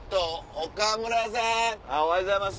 おはようございます。